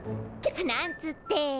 なんつって。